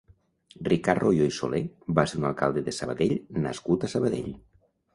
Ricard Royo i Soler va ser un alcalde de Sabadell nascut a Sabadell.